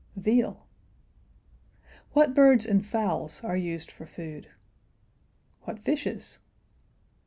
veal? What birds and fowls are used for food? What fishes?